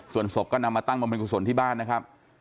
ส่วนศพก็นำมาตั้งบำเน็กกุศลที่บ้านนะครับ